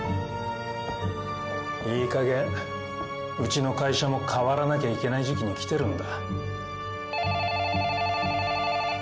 いいかげんうちの会社も変わらなきゃいけない時期に来てるんだ。